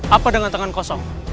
atau dengan tangan kosong